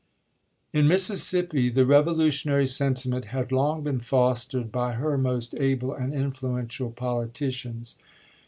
In Mississippi, the revolutionary sentiment had long been fostered by her most able and influen tial politicians.